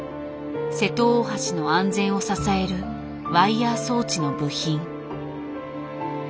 瀬戸大橋の安全を支えるワイヤー装置の部品。